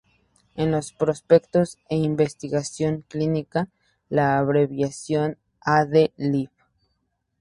En los prospectos e investigación clínica, la abreviación "ad lib.